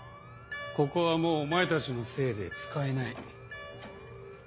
ここはもうお前たちのせいで使えない。